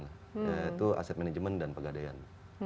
yaitu aset manajemen dan pegadaian